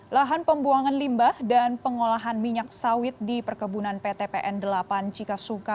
lahan pembuangan limbah dan pengolahan minyak sawit di perkebunan ptpn delapan cikasungka